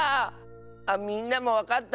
みんなもわかった？